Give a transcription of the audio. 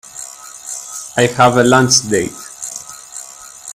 I have a lunch date.